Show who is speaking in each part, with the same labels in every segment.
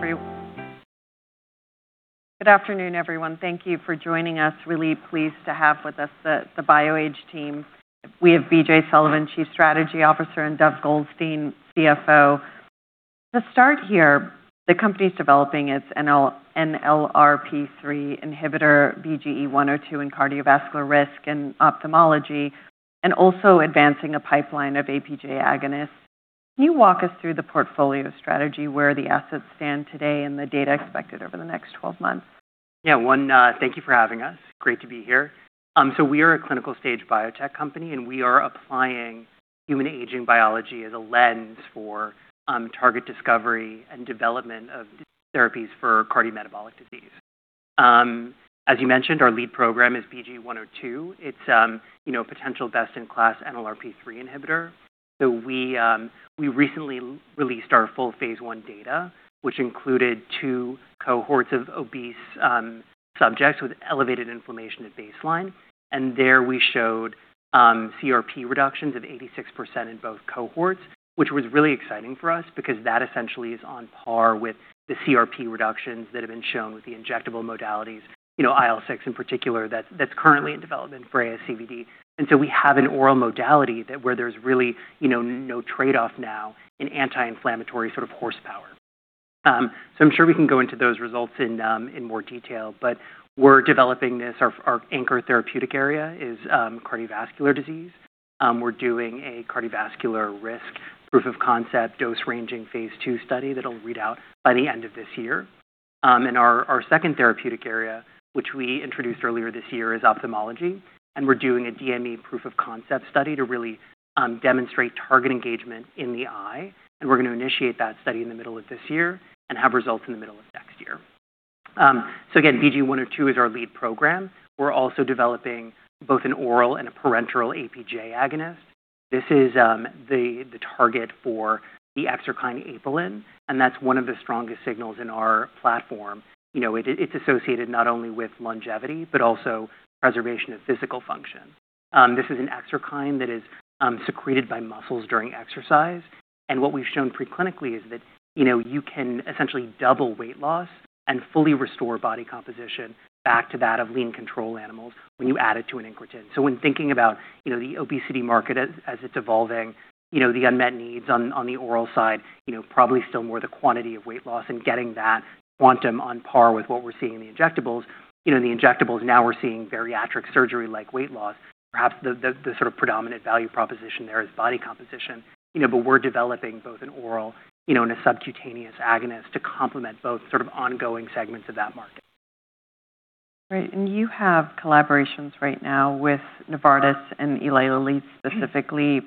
Speaker 1: Good afternoon, everyone. Thank you for joining us. Really pleased to have with us the BioAge team. We have BJ Sullivan, Chief Strategy Officer, and Dov Goldstein, CFO. To start here, the company's developing its NLRP3 inhibitor, BGE-102, in cardiovascular risk and ophthalmology, and also advancing a pipeline of APJ agonists. Can you walk us through the portfolio strategy, where the assets stand today, and the data expected over the next 12 months?
Speaker 2: Yeah. One, thank you for having us. Great to be here. We are a clinical stage biotech company, and we are applying human aging biology as a lens for target discovery and development of therapies for cardiometabolic disease. As you mentioned, our lead program is BGE-102. It's potential best in class NLRP3 inhibitor. We recently released our full phase I data, which included two cohorts of obese subjects with elevated inflammation at baseline. And there we showed CRP reductions of 86% in both cohorts, which was really exciting for us because that essentially is on par with the CRP reductions that have been shown with the injectable modalities, IL-6 in particular, that's currently in development for ASCVD. We have an oral modality where there's really no trade-off now in anti-inflammatory sort of horsepower. I'm sure we can go into those results in more detail, but we're developing this. Our anchor therapeutic area is cardiovascular disease. We're doing a cardiovascular risk proof of concept dose-ranging phase II study that'll read out by the end of this year. Our second therapeutic area, which we introduced earlier this year, is ophthalmology, and we're doing a DME proof of concept study to really demonstrate target engagement in the eye. We're going to initiate that study in the middle of this year and have results in the middle of next year. Again, BGE-102 is our lead program. We're also developing both an oral and a parenteral APJ agonist. This is the target for the exerkine apelin, and that's one of the strongest signals in our platform. It's associated not only with longevity but also preservation of physical function. This is an exerkine that is secreted by muscles during exercise. What we've shown pre-clinically is that you can essentially double weight loss and fully restore body composition back to that of lean control animals when you add it to an incretin. When thinking about the obesity market as it's evolving, the unmet needs on the oral side, probably still more the quantity of weight loss and getting that quantum on par with what we're seeing in the injectables. In the injectables, now we're seeing bariatric surgery like weight loss. Perhaps the sort of predominant value proposition there is body composition. We're developing both an oral and a subcutaneous agonist to complement both sort of ongoing segments of that market.
Speaker 1: Right. You have collaborations right now with Novartis and Eli Lilly, specifically.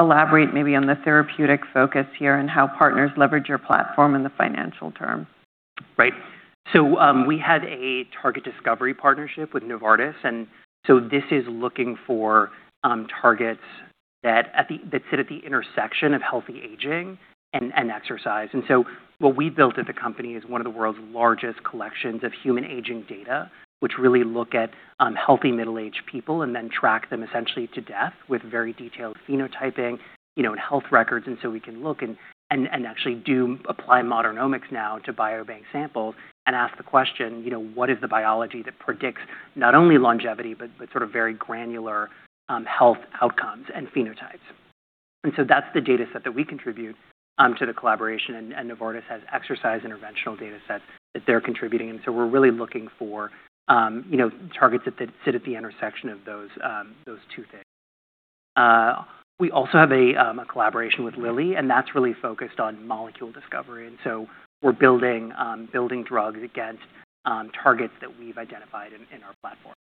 Speaker 1: Elaborate maybe on the therapeutic focus here and how partners leverage your platform in the financial terms?
Speaker 2: Right. We had a target discovery partnership with Novartis, this is looking for targets that sit at the intersection of healthy aging and exercise. What we've built at the company is one of the world's largest collections of human aging data, which really look at healthy middle-aged people and then track them essentially to death with very detailed phenotyping and health records. We can look and actually do apply multi-omics now to biobank samples and ask the question, what is the biology that predicts not only longevity but sort of very granular health outcomes and phenotypes? That's the data set that we contribute to the collaboration, Novartis has exercise interventional data sets that they're contributing. We're really looking for targets that sit at the intersection of those two things. We also have a collaboration with Lilly, and that's really focused on molecule discovery, and so we're building drugs against targets that we've identified in our platform.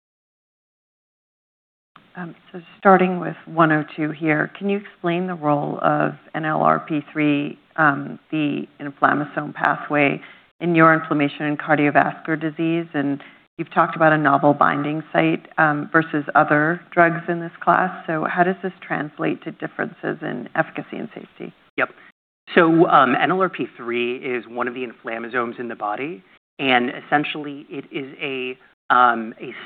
Speaker 1: Starting with 102 here, can you explain the role of NLRP3, the inflammasome pathway in your inflammation in cardiovascular disease? You've talked about a novel binding site versus other drugs in this class. How does this translate to differences in efficacy and safety?
Speaker 2: Yep. NLRP3 is one of the inflammasomes in the body, and essentially it is a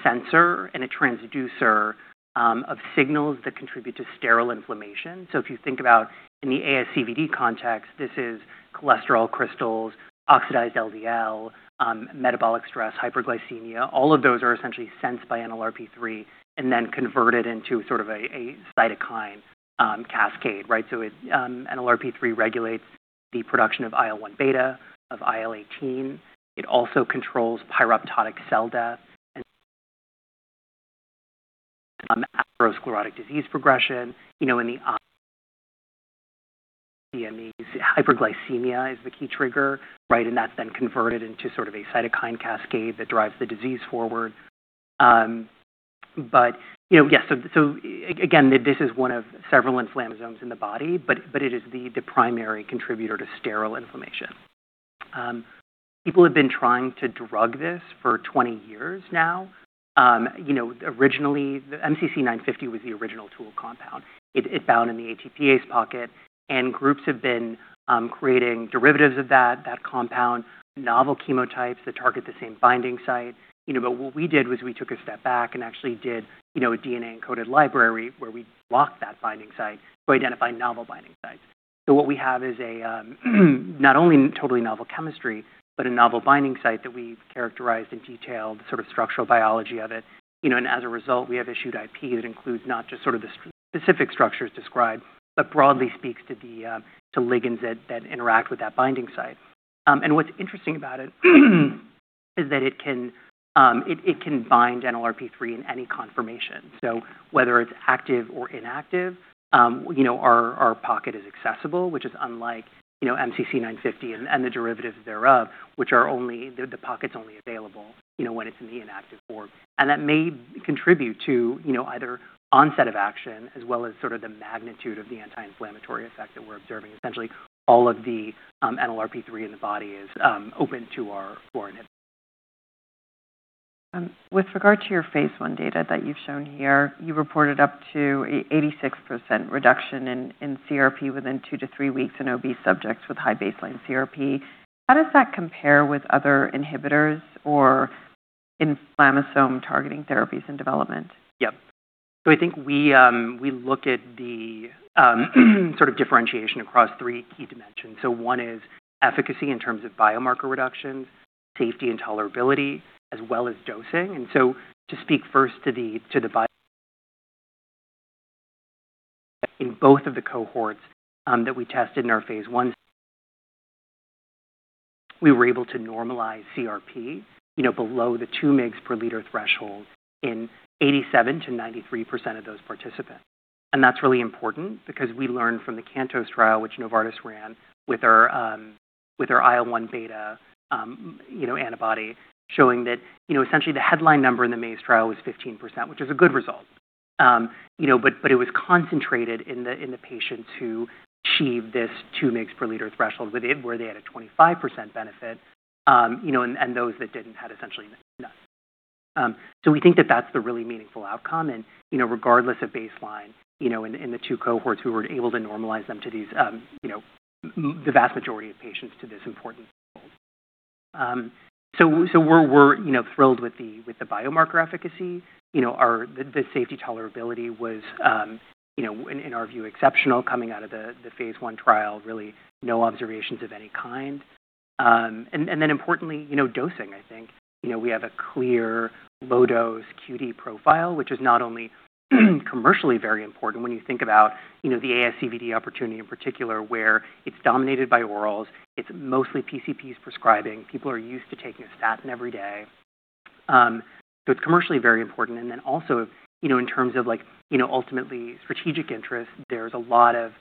Speaker 2: sensor and a transducer of signals that contribute to sterile inflammation. If you think about in the ASCVD context, this is cholesterol crystals, oxidized LDL, metabolic stress, hyperglycemia. All of those are essentially sensed by NLRP3 and then converted into sort of a cytokine cascade. Right. NLRP3 regulates the production of IL-1 beta, of IL-18. It also controls pyroptotic cell death and atherosclerotic disease progression. In the eye, DME, hyperglycemia is the key trigger, right? That's then converted into sort of a cytokine cascade that drives the disease forward. Yes, again, this is one of several inflammasomes in the body, but it is the primary contributor to sterile inflammation. People have been trying to drug this for 20 years now. Originally, the MCC950 was the original tool compound. It bound in the ATPase pocket. Groups have been creating derivatives of that compound, novel chemotypes that target the same binding site. What we did was we took a step back and actually did a DNA-encoded library where we blocked that binding site to identify novel binding sites. What we have is not only totally novel chemistry, but a novel binding site that we've characterized and detailed structural biology of it. As a result, we have issued IP that includes not just the specific structures described, but broadly speaks to ligands that interact with that binding site. What's interesting about it is that it can bind NLRP3 in any conformation. Whether it's active or inactive, our pocket is accessible, which is unlike MCC950 and the derivatives thereof, which the pocket's only available when it's in the inactive form. That may contribute to either onset of action as well as the magnitude of the anti-inflammatory effect that we're observing. Essentially, all of the NLRP3 in the body is open to our inhibitor.
Speaker 1: With regard to your phase I data that you've shown here, you reported up to 86% reduction in CRP within two to three weeks in obese subjects with high baseline CRP. How does that compare with other inhibitors or inflammasome-targeting therapies in development?
Speaker 2: I think we looked at the sort of differentiation across three key dimensions. One is efficacy in terms of biomarker reductions, safety and tolerability, as well as dosing. To speak first to the bio In both of the cohorts that we tested in our phase I, we were able to normalize CRP below the 2 mgs per liter threshold in 87%-93% of those participants. That's really important because we learned from the CANTOS trial, which Novartis ran with their IL-1 beta antibody, showing that essentially the headline number in the MACE trial was 15%, which is a good result. It was concentrated in the patients who achieved this 2 mgs per liter threshold where they had a 25% benefit, and those that didn't had essentially none. We think that that's the really meaningful outcome, and regardless of baseline, in the two cohorts who were able to normalize them to these, the vast majority of patients to this important goal. We're thrilled with the biomarker efficacy. The safety tolerability was, in our view, exceptional coming out of the phase I trial, really no observations of any kind. Importantly, dosing, I think. We have a clear low-dose QD profile, which is not only commercially very important when you think about the ASCVD opportunity in particular, where it's dominated by orals, it's mostly PCPs prescribing. People are used to taking a statin every day. It's commercially very important, and then also in terms of ultimately strategic interest, there's a lot of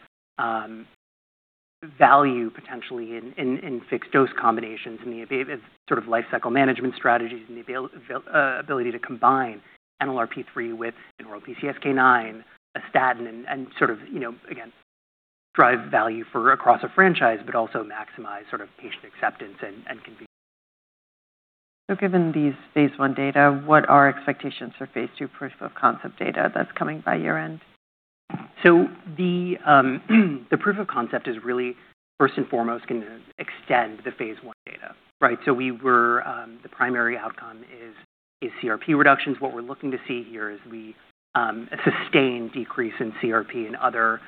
Speaker 2: value potentially in fixed-dose combinations and the sort of lifecycle management strategies and the ability to combine NLRP3 with an oral PCSK9, a statin, and again, drive value for across a franchise, but also maximize patient acceptance and convenience.
Speaker 1: Given these phase I data, what are expectations for phase II proof of concept data that's coming by year-end?
Speaker 2: The proof of concept is really first and foremost going to extend the phase I data. Right? The primary outcome is CRP reductions. What we're looking to see here is a sustained decrease in CRP and other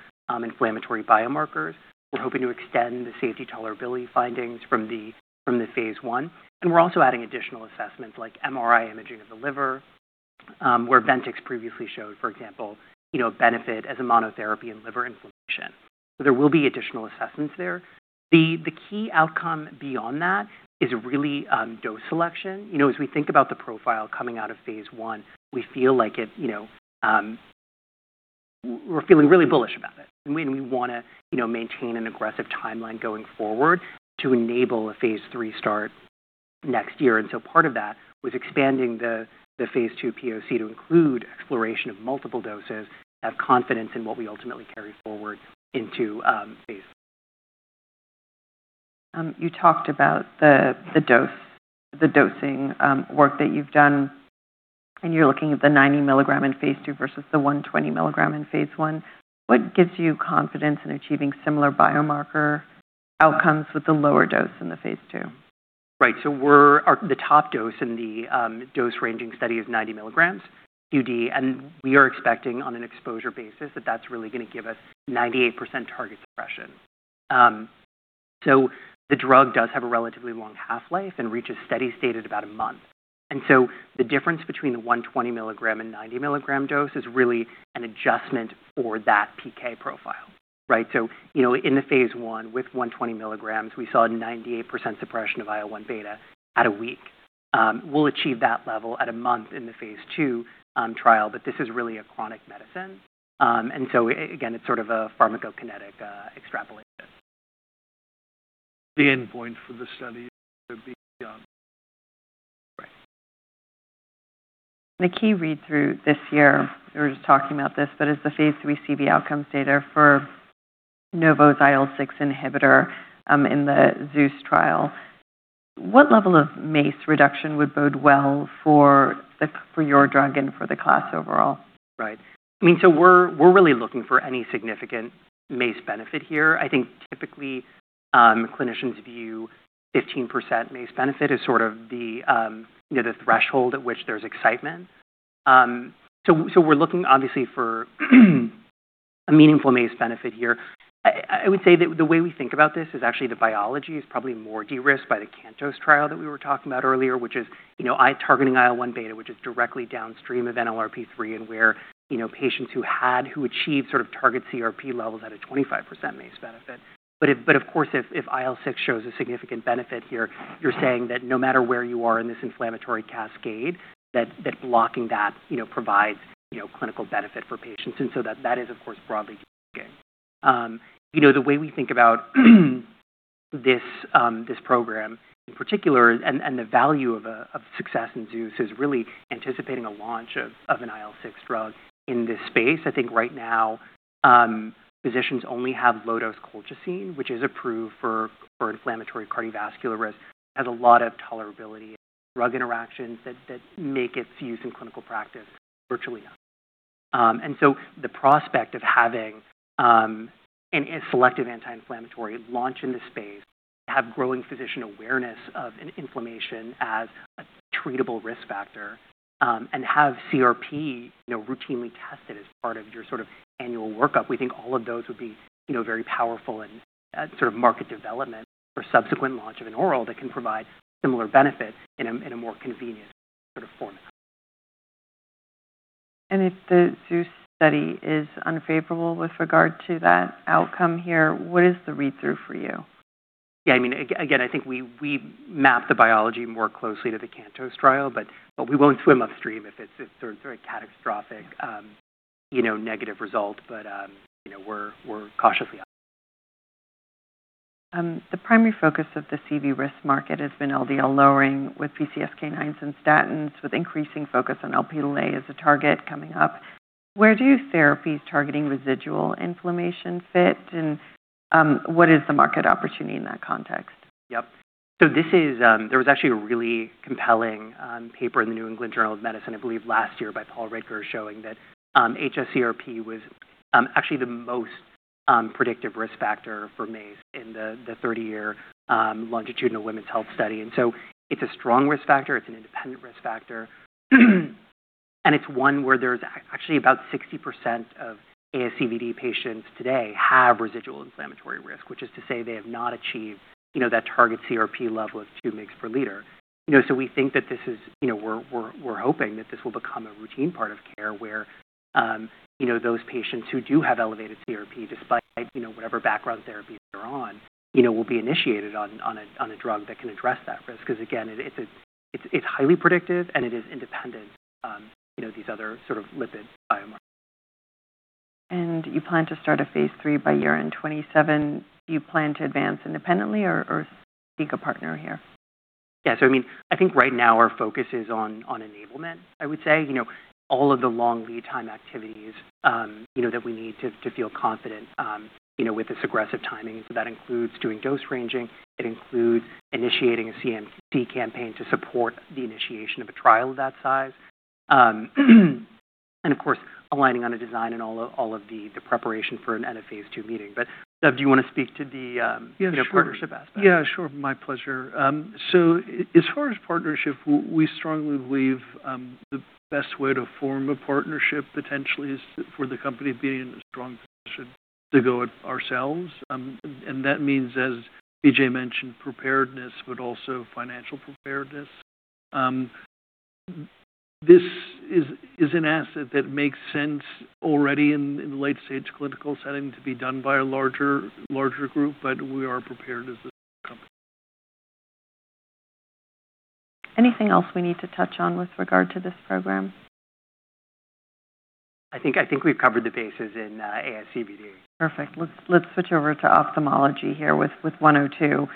Speaker 2: inflammatory biomarkers. We're hoping to extend the safety tolerability findings from the phase I, and we're also adding additional assessments like MRI imaging of the liver, where Ventyx previously showed, for example, a benefit as a monotherapy in liver inflammation. There will be additional assessments there. The key outcome beyond that is really dose selection. We think about the profile coming out of phase I, we're feeling really bullish about it, and we want to maintain an aggressive timeline going forward to enable a phase III start next year. Part of that was expanding the phase II POC to include exploration of multiple doses, have confidence in what we ultimately carry forward into phase III.
Speaker 1: You talked about the dosing work that you've done, and you're looking at the 90 mg in phase II versus the 120 mg in phase I. What gives you confidence in achieving similar biomarker outcomes with the lower dose in the phase II?
Speaker 2: Right. The top dose in the dose-ranging study is 90 mgs QD, and we are expecting on an exposure basis that that's really going to give us 98% target suppression. The drug does have a relatively long half-life and reaches steady state at about a month. The difference between the 120 mg and 90 mg dose is really an adjustment for that PK profile. Right? In the phase I with 120 mgs, we saw 98% suppression of IL-1 beta at a week. We'll achieve that level at a month in the phase II trial, but this is really a chronic medicine. Again, it's sort of a pharmacokinetic extrapolation.
Speaker 3: The endpoint for the study.
Speaker 2: Right.
Speaker 1: The key read through this year, we were just talking about this, but is the phase III CV outcomes data for Novo Nordisk's IL-6 inhibitor in the ZEUS trial. What level of MACE reduction would bode well for your drug and for the class overall?
Speaker 2: Right. We're really looking for any significant MACE benefit here. I think typically clinicians view 15% MACE benefit as sort of the threshold at which there's excitement. We're looking obviously for a meaningful MACE benefit here. I would say that the way we think about this is actually the biology is probably more de-risked by the CANTOS trial that we were talking about earlier, which is targeting IL-1 beta, which is directly downstream of NLRP3 and where patients who achieved target CRP levels had a 25% MACE benefit. Of course, if IL-6 shows a significant benefit here, you're saying that no matter where you are in this inflammatory cascade, that blocking that provides clinical benefit for patients. That is, of course, broadly. The way we think about this program in particular and the value of success in ZEUS is really anticipating a launch of an IL-6 drug in this space. I think right now, physicians only have low-dose colchicine, which is approved for inflammatory cardiovascular risk, has a lot of tolerability, drug interactions that make its use in clinical practice virtually. The prospect of having a selective anti-inflammatory launch in the space, have growing physician awareness of inflammation as a treatable risk factor, and have CRP routinely tested as part of your annual workup, we think all of those would be very powerful and market development for subsequent launch of an oral that can provide similar benefit in a more convenient sort of format.
Speaker 1: if the ZEUS study is unfavorable with regard to that outcome here, what is the read-through for you?
Speaker 2: Yeah, again, I think we map the biology more closely to the CANTOS trial, but we won't swim upstream if it's a very catastrophic negative result.
Speaker 1: The primary focus of the CV risk market has been LDL lowering with PCSK9s and statins, with increasing focus on Lp(a) as a target coming up. Where do therapies targeting residual inflammation fit, and what is the market opportunity in that context?
Speaker 2: Yep. There was actually a really compelling paper in "The New England Journal of Medicine," I believe, last year by Paul Ridker, showing that hsCRP was actually the most predictive risk factor for MACE in the 30-year longitudinal women's health study. It's a strong risk factor, it's an independent risk factor, and it's one where there's actually about 60% of ASCVD patients today have residual inflammatory risk, which is to say they have not achieved that target CRP level of 2 mgs per liter. We're hoping that this will become a routine part of care where those patients who do have elevated CRP, despite whatever background therapies they're on, will be initiated on a drug that can address that risk. Again, it's highly predictive, and it is independent of these other sort of lipid biomarkers.
Speaker 1: You plan to start a phase III by year-end 2027. Do you plan to advance independently or seek a partner here?
Speaker 2: I think right now our focus is on enablement, I would say. All of the long lead time activities that we need to feel confident with this aggressive timing. That includes doing dose ranging, it includes initiating a CMC campaign to support the initiation of a trial of that size. Of course, aligning on a design and all of the preparation for an end-of-phase II meeting. Dov, do you want to speak to the partnership aspect?
Speaker 3: Yeah, sure. My pleasure. As far as partnership, we strongly believe the best way to form a partnership potentially is for the company being in a strong position to go it ourselves. That means, as BJ mentioned, preparedness, but also financial preparedness. This is an asset that makes sense already in the late-stage clinical setting to be done by a larger group, but we are prepared as a company.
Speaker 1: Anything else we need to touch on with regard to this program?
Speaker 2: I think we've covered the bases in ASCVD.
Speaker 1: Perfect. Let's switch over to ophthalmology here with 102.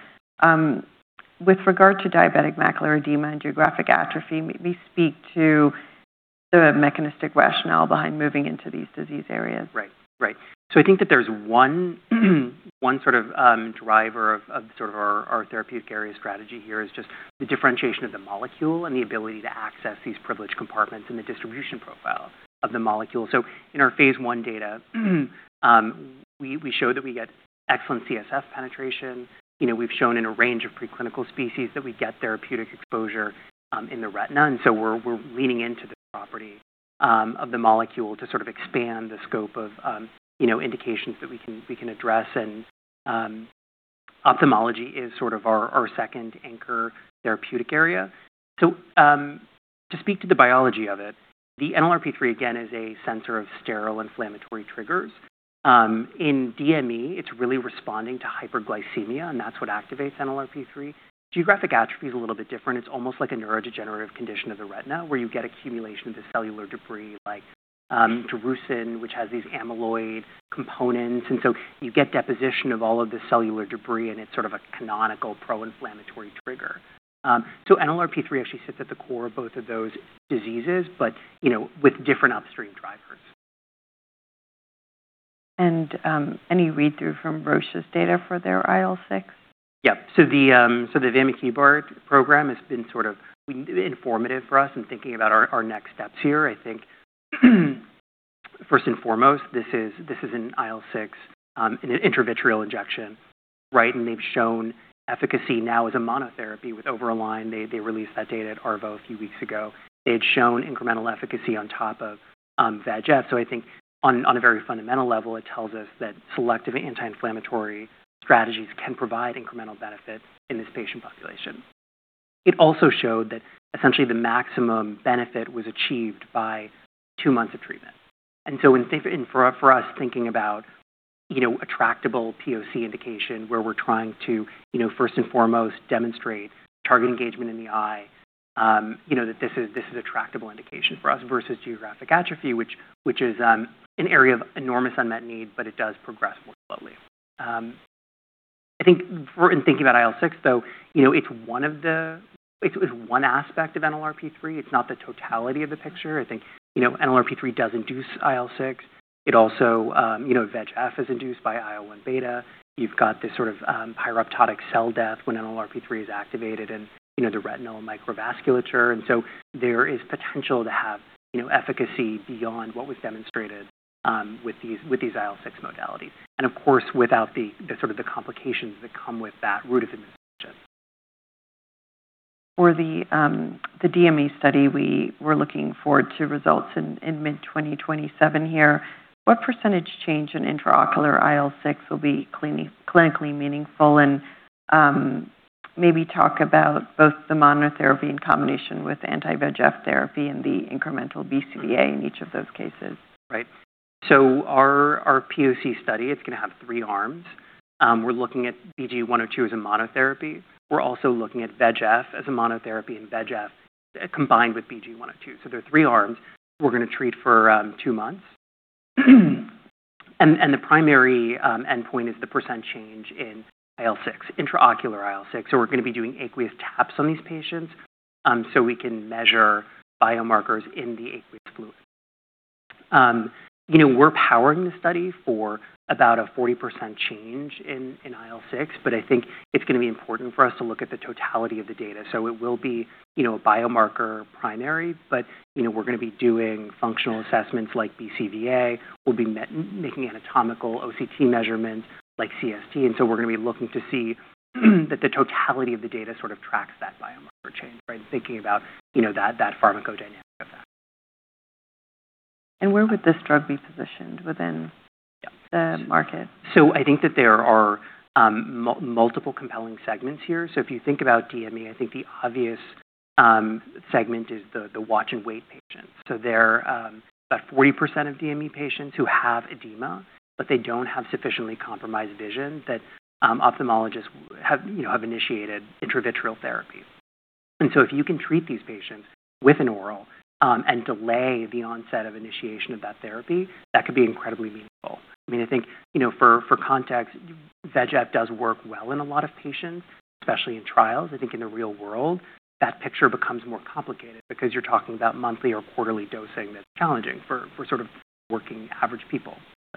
Speaker 1: With regard to diabetic macular edema and geographic atrophy, maybe speak to the mechanistic rationale behind moving into these disease areas.
Speaker 2: Right. I think that there's one driver of our therapeutic area strategy here is just the differentiation of the molecule and the ability to access these privileged compartments and the distribution profile of the molecule. In our phase I data, we show that we get excellent CSF penetration. We've shown in a range of preclinical species that we get therapeutic exposure in the retina, and we're leaning into this property of the molecule to expand the scope of indications that we can address, and ophthalmology is sort of our second anchor therapeutic area. To speak to the biology of it, the NLRP3, again, is a sensor of sterile inflammatory triggers. In DME, it's really responding to hyperglycemia, and that's what activates NLRP3. Geographic atrophy is a little bit different. It's almost like a neurodegenerative condition of the retina, where you get accumulation of the cellular debris like drusen, which has these amyloid components. You get deposition of all of the cellular debris, and it's sort of a canonical pro-inflammatory trigger. NLRP3 actually sits at the core of both of those diseases, but with different upstream drivers.
Speaker 1: Any read-through from Roche's data for their IL-6?
Speaker 2: Yep. The Vamikibart program has been sort of informative for us in thinking about our next steps here, I think. First and foremost, this is an IL-6 in an intravitreal injection. They've shown efficacy now as a monotherapy with Eylea. They released that data at ARVO a few weeks ago. They had shown incremental efficacy on top of VEGF. I think on a very fundamental level, it tells us that selective anti-inflammatory strategies can provide incremental benefit in this patient population. It also showed that essentially the maximum benefit was achieved by two months of treatment. For us thinking about a tractable POC indication where we're trying to first and foremost demonstrate target engagement in the eye, that this is a tractable indication for us versus geographic atrophy, which is an area of enormous unmet need, but it does progress more slowly. In thinking about IL-6, though, it's one aspect of NLRP3. It's not the totality of the picture. I think NLRP3 does induce IL-6. VEGF is induced by IL-1 beta. You've got this sort of pyroptotic cell death when NLRP3 is activated and the retinal microvasculature. There is potential to have efficacy beyond what was demonstrated with these IL-6 modalities. Without the sort of the complications that come with that route of administration.
Speaker 1: For the DME study, we were looking forward to results in mid-2027 here. What % change in intraocular IL-6 will be clinically meaningful? Maybe talk about both the monotherapy in combination with anti-VEGF therapy and the incremental BCVA in each of those cases.
Speaker 2: Right. Our POC study, it's going to have three arms. We're looking at BGE-102 as a monotherapy. We're also looking at VEGF as a monotherapy and VEGF combined with BGE-102. There are three arms we're going to treat for two months. The primary endpoint is the percentage change in IL-6, intraocular IL-6. We're going to be doing aqueous taps on these patients, so we can measure biomarkers in the aqueous fluid. We're powering the study for about a 40% change in IL-6, but I think it's going to be important for us to look at the totality of the data. It will be a biomarker primary, but we're going to be doing functional assessments like BCVA. We'll be making anatomical OCT measurements like CST. We're going to be looking to see that the totality of the data sort of tracks that biomarker change, right? Thinking about that pharmacodynamic effect.
Speaker 1: Where would this drug be positioned within the market?
Speaker 2: I think that there are multiple compelling segments here. If you think about DME, I think the obvious segment is the watch-and-wait patients. They're about 40% of DME patients who have edema, but they don't have sufficiently compromised vision that ophthalmologists have initiated intravitreal therapy. If you can treat these patients with an oral and delay the onset of initiation of that therapy, that could be incredibly meaningful. I think, for context, VEGF does work well in a lot of patients, especially in trials. I think in the real world, that picture becomes more complicated because you're talking about monthly or quarterly dosing that's challenging for sort of working average people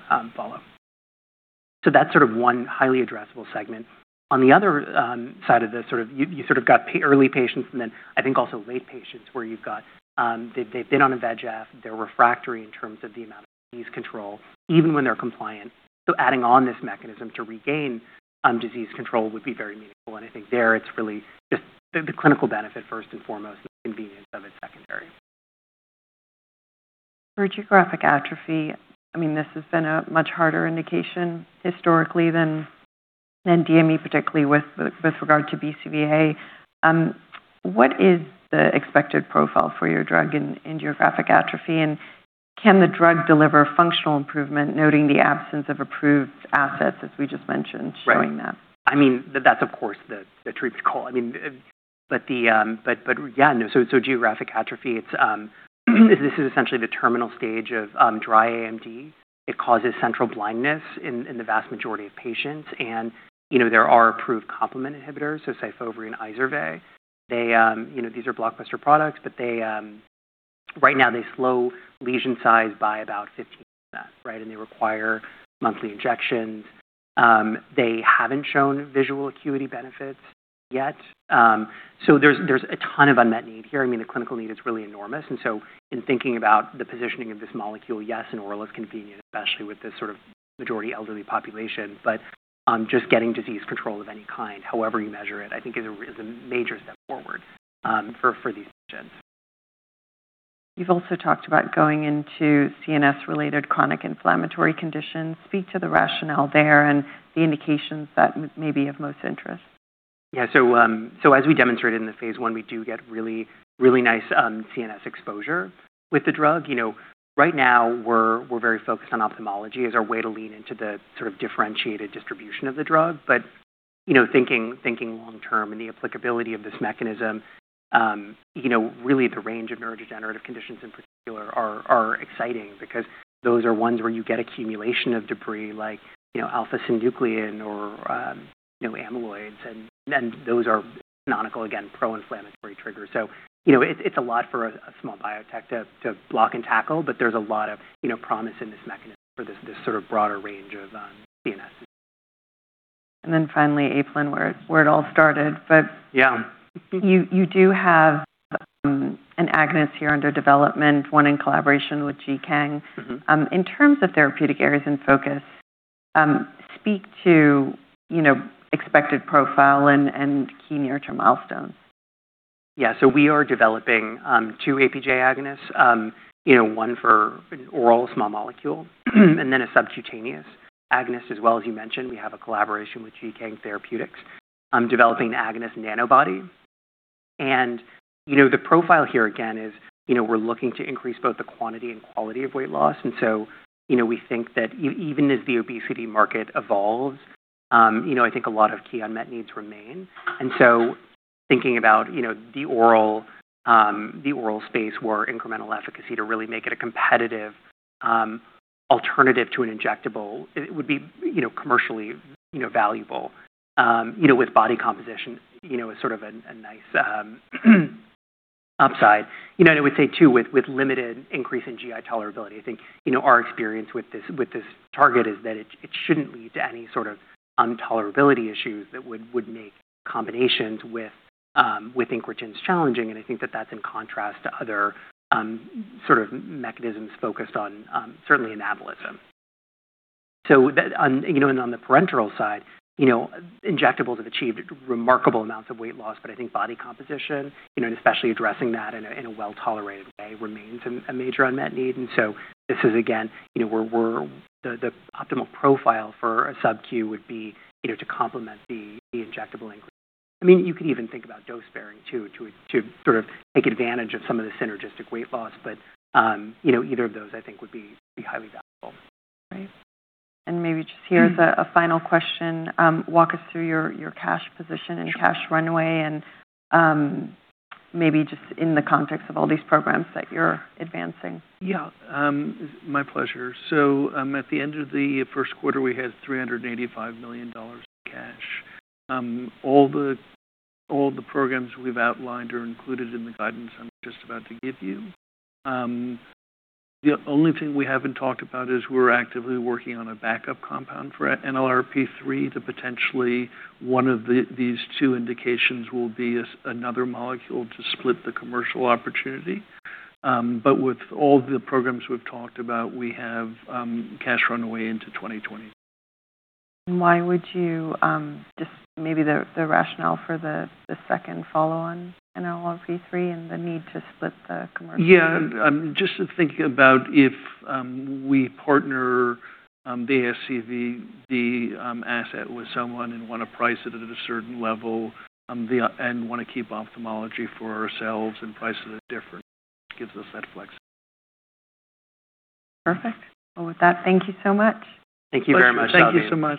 Speaker 2: to follow. That's one highly addressable segment. On the other side of this, you sort of got early patients, and then I think also late patients where you've got, they've been on a VEGF, they're refractory in terms of the amount of disease control, even when they're compliant. Adding on this mechanism to regain disease control would be very meaningful, and I think there it's really just the clinical benefit first and foremost, the convenience of it secondary.
Speaker 1: For geographic atrophy, this has been a much harder indication historically than DME, particularly with regard to BCVA. What is the expected profile for your drug in geographic atrophy, and can the drug deliver functional improvement, noting the absence of approved assets, as we just mentioned, showing that?
Speaker 2: Right. That's, of course, the truth call. Geographic atrophy, this is essentially the terminal stage of dry AMD. It causes central blindness in the vast majority of patients. There are approved complement inhibitors. Syfovre and Izervay, these are blockbuster products, but right now they slow lesion size by about 15%, right? They require monthly injections. They haven't shown visual acuity benefits yet. There's a ton of unmet need here. The clinical need is really enormous. In thinking about the positioning of this molecule, yes, an oral is convenient, especially with this sort of majority elderly population. Just getting disease control of any kind, however you measure it, I think is a major step forward for these patients.
Speaker 1: You've also talked about going into CNS-related chronic inflammatory conditions. Speak to the rationale there and the indications that may be of most interest.
Speaker 2: Yeah. As we demonstrated in the phase I, we do get really nice CNS exposure with the drug. Right now we're very focused on ophthalmology as our way to lean into the sort of differentiated distribution of the drug. Thinking long term and the applicability of this mechanism, really the range of neurodegenerative conditions in particular are exciting because those are ones where you get accumulation of debris like alpha-synuclein or amyloids, those are canonical, again, pro-inflammatory triggers. It's a lot for a small biotech to block and tackle, there's a lot of promise in this mechanism for this sort of broader range of CNS disease.
Speaker 1: Finally, apelin, where it all started.
Speaker 2: Yeah
Speaker 1: You do have an agonist here under development, one in collaboration with Jingang Therapeutics. In terms of therapeutic areas in focus, speak to expected profile and key near-term milestones.
Speaker 2: Yeah. We are developing two APJ agonists, one for an oral small molecule, and then a subcutaneous agonist as well. As you mentioned, we have a collaboration with Jingang Therapeutics developing agonist nanobody. The profile here again is we're looking to increase both the quantity and quality of weight loss. We think that even as the obesity market evolves, I think a lot of key unmet needs remain. Thinking about the oral space where incremental efficacy to really make it a competitive alternative to an injectable, it would be commercially valuable with body composition as sort of a nice upside. I would say too, with limited increase in GI tolerability, I think our experience with this target is that it shouldn't lead to any sort of untolerability issues that would make combinations with incretins challenging, and I think that that's in contrast to other sort of mechanisms focused on certainly anabolism. On the parenteral side, injectables have achieved remarkable amounts of weight loss, I think body composition, and especially addressing that in a well-tolerated way remains a major unmet need. This is again, the optimal profile for a sub-Q would be to complement the injectable incretin. You could even think about dose sparing too, to sort of take advantage of some of the synergistic weight loss. Either of those, I think, would be highly valuable.
Speaker 1: Right. Maybe just here as a final question, walk us through your cash position and cash runway and maybe just in the context of all these programs that you're advancing.
Speaker 3: Yeah. My pleasure. At the end of the first quarter, we had $385 million in cash. All the programs we've outlined are included in the guidance I'm just about to give you. The only thing we haven't talked about is we're actively working on a backup compound for NLRP3 to potentially one of these two indications will be another molecule to split the commercial opportunity. With all the programs we've talked about, we have cash runway into 2026.
Speaker 1: Just maybe the rationale for the second follow-on NLRP3 and the need to split the commercial.
Speaker 3: Yeah. Just thinking about if we partner the ASCVD, the asset with someone and want to price it at a certain level, and want to keep ophthalmology for ourselves and price it at different, gives us that flexibility.
Speaker 1: Perfect. Well, with that, thank you so much.
Speaker 2: Thank you very much.
Speaker 3: Thank you so much.